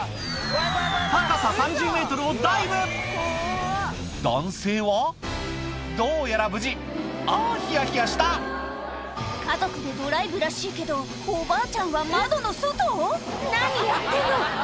高さ３０ｍをダイブ男性はどうやら無事あぁひやひやした家族でドライブらしいけどおばあちゃんは窓の外⁉何やってんの！